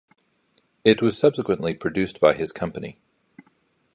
It was subsequently produced by his company.